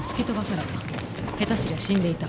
下手すりゃ死んでいた。